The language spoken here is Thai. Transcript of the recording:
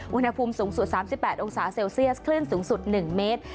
อุณหภูมิสูงสุด๓๘องศาเซลเซียสคลื่นสูงสุด๑เมตร